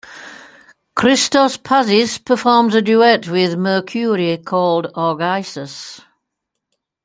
Christos Pazis performs a duet with Merkouri called "Argises".